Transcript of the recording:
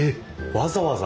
わざわざ？